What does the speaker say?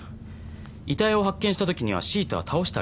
遺体を発見したときにはシートは倒してありました。